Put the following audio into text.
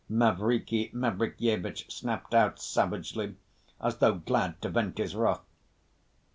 Mavriky Mavrikyevitch snapped out savagely, as though glad to vent his wrath.